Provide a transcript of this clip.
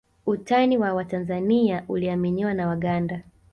Utani wa Watanzania uliaminiwa na Waganda